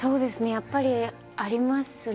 やっぱりありますね。